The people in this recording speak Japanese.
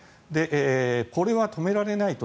これは止められないと。